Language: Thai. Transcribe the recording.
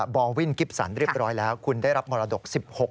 อวินกิฟสันเรียบร้อยแล้วคุณได้รับมรดก๑๖